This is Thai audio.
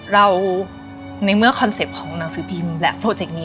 ในเมื่อคอนเซ็ปต์ของหนังสือพิมพ์และโปรเจกต์นี้